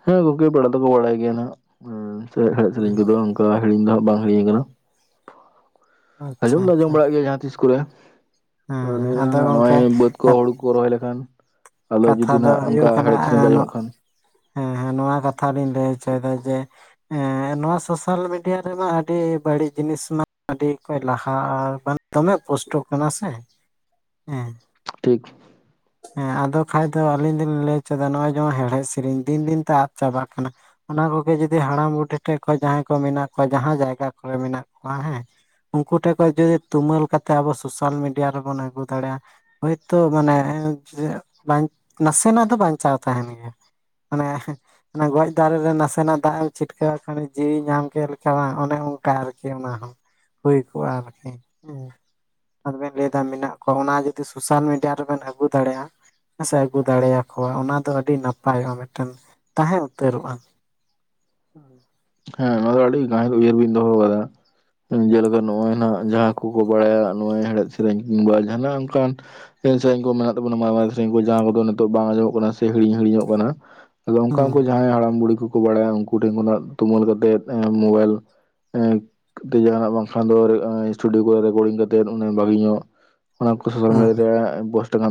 ᱦᱮᱸ ᱜᱚᱝᱠᱮ ᱯᱮᱲᱟ ᱫᱚᱠᱚ ᱵᱟᱲᱟᱭ ᱜᱮᱭᱟ ᱱᱟᱜᱽ ᱮᱣ ᱦᱮᱲᱦᱮᱫᱽ ᱥᱮᱨᱮᱧ ᱦᱩᱸ ᱠᱚᱫᱚ ᱚᱱᱠᱟ ᱦᱤᱲᱤᱧ ᱫᱚ ᱦᱟᱸᱜ ᱵᱟᱝ ᱦᱤᱲᱤᱧ ᱟᱠᱟᱱᱟ ᱟᱪᱪᱷᱟ ᱟᱸᱡᱚᱢ ᱫᱚ ᱟᱪᱪᱷᱟ ᱟᱸᱡᱚᱢ ᱵᱟᱲᱟᱜ ᱜᱮᱭᱟ ᱡᱟᱦᱟᱸ ᱛᱤᱥ ᱠᱚᱨᱮ ᱦᱮᱸ ᱟᱸ ᱦᱮᱸ ᱱᱤᱭᱟᱹ ᱟᱫᱚ ᱨᱮᱱᱟᱜ ᱜᱚᱝᱠᱮ ᱱᱚᱜᱼᱚᱭ ᱵᱟᱹᱫᱽ ᱠᱚ ᱦᱩᱲᱩ ᱠᱚ ᱨᱚᱦᱚᱭ ᱞᱮᱠᱷᱟᱱ ᱟᱫᱚ ᱠᱟᱛᱷᱟ ᱡᱩᱫᱤ ᱫᱚ ᱱᱟᱜ ᱚᱱᱠᱟ ᱦᱩᱭᱩᱜ ᱠᱟᱱᱟ ᱦᱮᱲᱮᱫᱽ ᱥᱮᱨᱮᱱ ᱠᱚ ᱟᱸᱡᱚᱢᱚᱜ ᱠᱷᱟᱱ ᱦᱮᱸ ᱦᱮᱸ ᱱᱚᱣᱟ ᱠᱟᱛᱷᱟ ᱞᱤᱧ ᱞᱟᱹᱭ ᱦᱚᱪᱚᱭᱮᱫᱟ ᱡᱮ ᱦᱮᱸ ᱱᱚᱣᱟ ᱥᱳᱥᱟᱞ ᱢᱤᱰᱤᱭᱟ ᱨᱮᱢᱟ ᱟᱹᱰᱤ ᱵᱟᱹᱲᱤᱡ ᱡᱤᱱᱤᱥ ᱢᱟ ᱟᱹᱰᱤ ᱠᱷᱚᱡ ᱞᱟᱦᱟ ᱟᱨ ᱵᱟᱱ ᱫᱚᱢᱮ ᱯᱳᱥᱴᱚ ᱠᱟᱱᱟ ᱥᱮ ᱦᱮᱸ ᱴᱷᱤᱠ ᱦᱮᱸ ᱟᱫᱚ ᱠᱷᱟᱡᱽ ᱫᱚ ᱟᱞᱤᱧ ᱫᱚᱞᱤᱧ ᱞᱟᱹᱭ ᱪᱚᱭᱫᱟ ᱱᱚᱜᱼᱚᱭ ᱡᱮᱚᱱ ᱦᱮᱲᱦᱮᱫ ᱥᱮᱨᱮᱧ ᱫᱤᱱ ᱫᱤᱱ ᱛᱮ ᱟᱫ ᱪᱟᱵᱟᱜ ᱠᱟᱱᱟ ᱚᱱᱟ ᱠᱚᱜᱮ ᱡᱩᱫᱤ ᱦᱟᱲᱟᱢ ᱵᱩᱰᱤ ᱴᱷᱮᱡᱽ ᱠᱷᱚᱡᱽ ᱡᱟᱦᱟᱸᱭ ᱠᱚ ᱢᱮᱱᱟᱜ ᱠᱚᱣᱟ ᱡᱟᱦᱟᱸ ᱡᱟᱭᱜᱟ ᱠᱚᱨᱮ ᱢᱮᱱᱟᱜ ᱠᱚᱣᱟ ᱦᱮᱸ ᱩᱱᱠᱩ ᱴᱷᱮᱡᱽ ᱠᱷᱚᱡᱽ ᱡᱩᱫᱤ ᱛᱩᱢᱟᱹᱞ ᱠᱟᱛᱮ ᱟᱵᱚ ᱥᱳᱥᱟᱞ ᱢᱤᱰᱤᱭᱟ ᱨᱮᱵᱚᱱ ᱟᱹᱜᱩ ᱫᱟᱲᱮᱭᱟᱜᱼᱟ ᱦᱳᱭᱛᱚ ᱢᱟᱱᱮ [unintelligible] ᱵᱟᱧ ᱱᱟᱥᱮᱱᱟᱜ ᱫᱚ ᱵᱟᱧᱪᱟᱣ ᱛᱟᱦᱮᱱ ᱜᱮᱭᱟ ᱢᱟᱱᱮ ᱚᱱᱟ ᱜᱚᱡᱽ ᱫᱟᱨᱮ ᱨᱮ ᱱᱟᱥᱮᱱᱟᱜᱽ ᱫᱟᱜᱽ ᱮᱢ ᱪᱷᱤᱴᱠᱟᱹᱣᱟᱜ ᱠᱷᱟᱱ ᱡᱤᱣᱤ ᱧᱟᱢ ᱠᱮᱫ ᱞᱮᱠᱟ ᱵᱟᱝ ᱚᱱᱮ ᱚᱱᱠᱟ ᱟᱨᱠᱤ ᱚᱱᱟ ᱦᱚᱸ ᱦᱩᱭ ᱠᱚᱜᱼᱟ ᱟᱨᱠᱤ ᱦᱩᱸ ᱟᱫᱚ ᱵᱮᱱ ᱞᱟᱹᱭᱫᱟ ᱢᱮᱱᱟᱜ ᱠᱚᱣᱟ ᱚᱱᱟ ᱡᱩᱫᱤ ᱥᱳᱥᱟᱞ ᱢᱤᱰᱤᱭᱟ ᱨᱮᱵᱮᱱ ᱟᱹᱜᱩ ᱫᱟᱲᱮᱜᱼᱟ ᱦᱮᱸ ᱥᱮ ᱟᱹᱜᱩ ᱫᱟᱲᱮᱭᱟᱠᱚᱣᱟ ᱚᱱᱟ ᱫᱚ ᱟᱹᱰᱤ ᱱᱟᱯᱟᱭᱚᱜᱼᱟ ᱢᱤᱫᱴᱮᱱ ᱛᱟᱦᱮᱸ ᱩᱛᱟᱹᱨᱚᱜᱼᱟ [unintelligible] ᱦᱮᱸ ᱱᱚᱣᱟ ᱫᱚ ᱟᱹᱰᱤ ᱜᱟᱹᱦᱤᱨ ᱩᱭᱦᱟᱹᱨ ᱵᱤᱱ ᱫᱚᱦᱚ ᱣᱟᱠᱟᱫᱟ ᱡᱮᱞᱮᱠᱟ ᱱᱚᱜᱼᱚᱭ ᱱᱟᱜ ᱡᱟᱦᱟᱸ ᱠᱩ ᱠᱚ ᱵᱟᱲᱟᱭᱟ ᱱᱚᱜᱼᱚᱭ ᱦᱮᱲᱦᱮᱫᱽ ᱥᱮᱨᱮᱧ ᱠᱤᱝᱵᱟ ᱡᱟᱦᱟᱱᱟᱜ ᱚᱱᱠᱟᱱ ᱮᱸ ᱥᱮᱣᱮᱧ ᱠᱚ ᱢᱮᱱᱟᱜ ᱛᱟᱵᱚᱱᱟ ᱢᱟᱨ ᱢᱟᱨᱮ ᱥᱮᱨᱮᱧ ᱠᱚ ᱡᱟᱦᱟᱸ ᱠᱚᱫᱚ ᱱᱤᱛᱚᱜ ᱵᱟᱝ ᱟᱸᱡᱚᱢᱚᱜ ᱠᱟᱱᱟ ᱥᱮ ᱦᱤᱲᱤᱧ ᱦᱤᱲᱤᱧᱚᱜ ᱠᱟᱱᱟ ᱟᱫᱚ ᱚᱱᱠᱟ ᱩᱱᱠᱩ ᱦᱩᱸ ᱡᱟᱦᱟᱸᱭ ᱦᱟᱲᱟᱢ ᱵᱩᱲᱦᱤ ᱠᱚᱠᱚ ᱵᱟᱲᱟᱭᱟ ᱩᱱᱠᱩ ᱴᱷᱮᱱ ᱠᱷᱚᱱᱟᱜ ᱛᱩᱢᱟᱹᱞ ᱠᱟᱛᱮᱜ ᱮᱸ ᱢᱳᱵᱟᱭᱤᱞ ᱮᱜ ᱛᱮ ᱡᱟᱦᱟᱱᱟᱜ ᱵᱟᱝ ᱠᱷᱟᱱ ᱫᱚ ᱥᱴᱩᱰᱤᱭᱩ ᱠᱚᱨᱮ ᱨᱮᱠᱳᱰᱤᱝ ᱠᱟᱛᱮᱫ ᱵᱷᱟᱹᱜᱤ ᱧᱚᱜ ᱚᱱᱟ ᱠᱚ ᱥᱳᱥᱟᱞ ᱢᱤᱰᱤᱭᱟ ᱨᱮ ᱯᱳᱥᱴ ᱛᱮᱠᱷᱟᱱ ᱫᱚ